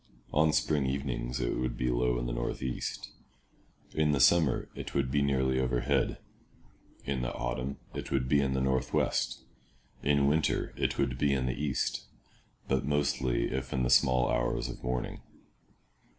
On spring evenings it would be low in the northeast. In the summer it would be nearly overhead. In the autumn it would be in the northwest. In winter it would be in the east, but mostly if in the small hours of morning.